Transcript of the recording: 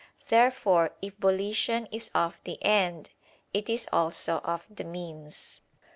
Therefore, if volition is of the end, it is also of the means.